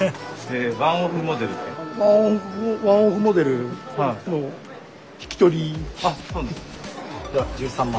ワンオフモデルの引き取り。